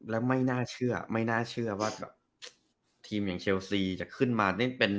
แล้วไม่น่าเชื่อว่าทีมอย่างเชลซีจะขึ้นมา